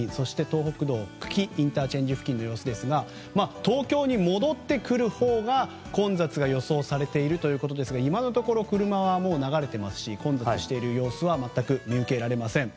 東北道久喜ＩＣ付近の様子ですが東京に戻ってくるほうが混雑が予想されているということですが今のところ車は流れていますし混雑している様子は見受けられません。